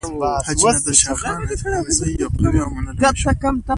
حاجي نادر شاه خان اسحق زی يو قوي او منلی مشر وو.